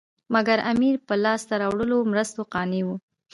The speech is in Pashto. مګر امیر په لاسته راوړو مرستو قانع وو.